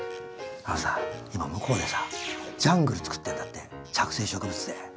あのさ今向こうでさジャングルつくってるんだって着生植物で。